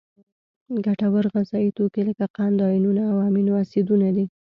ګټور غذایي توکي لکه قند، آیونونه او امینو اسیدونه دي.